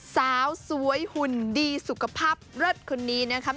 สาวสวยหุ่นดีสุขภาพเลิศคนนี้นะครับ